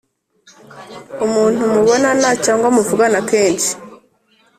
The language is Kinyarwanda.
umuntu mubonana cyangwa muvugana kenshi."